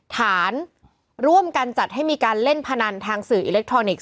ฐานร่วมกันจัดให้มีการเล่นพนันทางสื่ออิเล็กทรอนิกส์